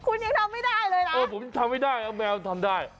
คุณยังทำไม่ได้เลยนะเออผมทำไม่ได้เอาแมวทำได้